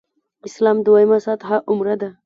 اسلام دویمه سطح عمره ده.